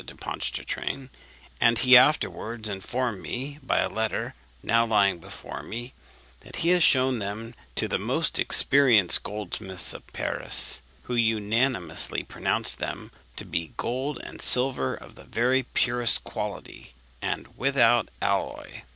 de Pontchartrain; and he afterwards informed me by a letter, now lying before me, that he had shewn them to the most experienced goldsmiths of Paris, who unanimously pronounced them to be gold and silver of the very purest quality, and without alloy.